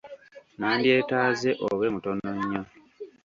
Nandyetaaze obe mutono nnyo.